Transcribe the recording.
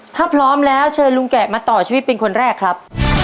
ถ้าพร้อมแล้วเชิญลุงแกะมาต่อชีวิตเป็นคนแรกครับ